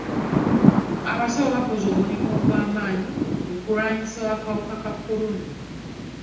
Abasawo bakoze omulimu ogw'amaanyi mu kulwanyisa akawuka ka kolona.